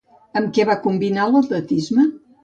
Amb què va combinar l'atletisme?